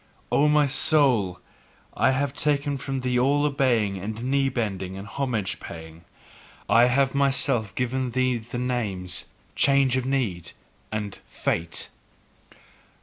O my soul, I have taken from thee all obeying and knee bending and homage paying; I have myself given thee the names, "Change of need" and "Fate."